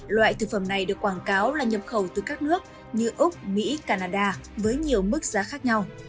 loại thực phẩm này được quảng cáo là nhập khẩu từ các nước như úc mỹ canada với nhiều mức giá khác nhau